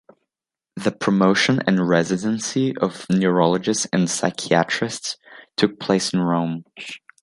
The promotion and residency of neurologists and psychiatrists took place in Rome.